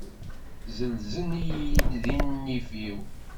Zzelzen-iyi di nnif-iw.